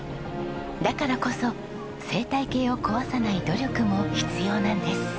だからこそ生態系を壊さない努力も必要なんです。